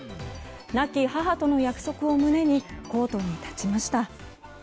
亡き母との約束を胸にコートに立ちました。